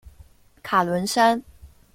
卡伦山。